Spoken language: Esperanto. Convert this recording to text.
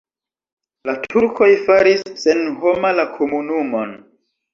La turkoj faris senhoma la komunumon.